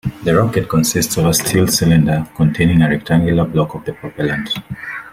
The rocket consists of a steel cylinder, containing a rectangular block of the propellant.